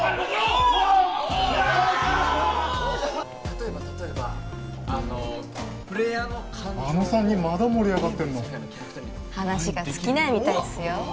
例えば例えばあのプレイヤーのあの３人まだ盛り上がってんの話が尽きないみたいっすよ